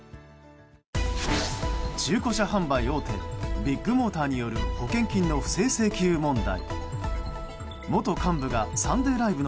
中古車販売大手ビッグモーターによる保険金の不正請求問題。